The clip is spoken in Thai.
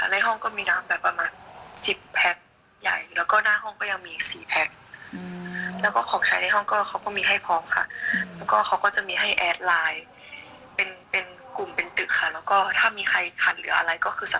ลองฟังดูนะฮะ